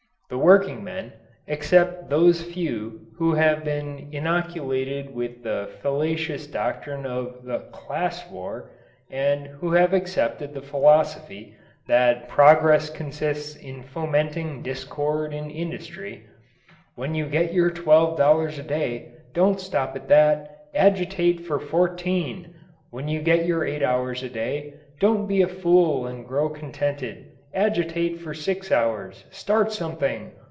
The workingmen, except those few who have been inoculated with the fallacious doctrine of "the class war" and who have accepted the philosophy that progress consists in fomenting discord in industry ("When you get your $12 a day, don't stop at that. Agitate for $14. When you get your eight hours a day, don't be a fool and grow contented; agitate for six hours. Start something!